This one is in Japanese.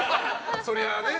そりゃね。